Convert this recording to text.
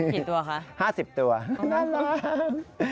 พี่ตัวคะห้าสิบตัวน่ารัก